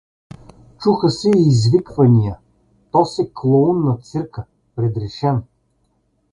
Чуха се извиквания: — Тоз е клоун на цирка, предрешен.